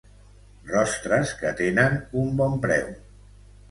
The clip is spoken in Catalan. Rostres que tenen un bon preu.